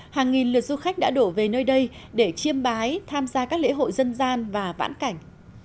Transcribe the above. hàng nghìn lượt du khách đã đổ về nơi đây để chiêm bái tham gia các lễ hội dân gian và vãn cảnh